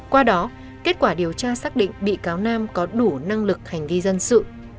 qua đó kết quả điều tra xác định bị cáo nam có đủ năng lực hành vi dân sự